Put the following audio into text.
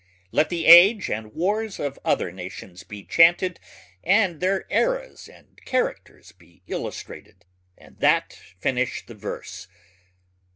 Let the age and wars of other nations be chanted and their eras and characters be illustrated and that finish the verse.